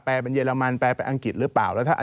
เป็นเรมันแปลไปอังกฤษหรือเปล่า